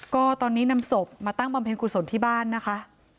ก็ตอนนี้นำศพมาตั้งบำเพ็ญกุศลที่บ้านนะคะ